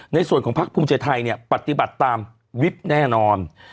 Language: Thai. ในส่วนของภักดิ์ภูเกยไทยเนี่ยปฏิบัติสำหรับวิบแน่นอน